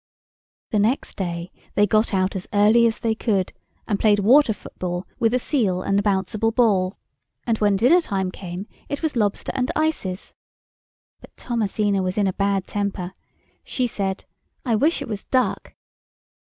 The next day they got out as early as they could and played water football with the seal and the Bouncible Ball, and when dinner time came it was lobster and ices. But Thomasina was in a bad temper. She said, "I wish it was duck."